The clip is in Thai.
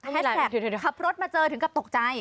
แฮดแทรกขับรถมาเจอถึงกับตกใจ